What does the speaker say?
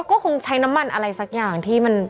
ก็คงใช้น้ำมันอะไรสักอย่างที่มัน